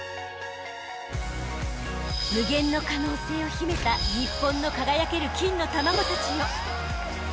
［無限の可能性を秘めた日本の輝ける金の卵たちよ］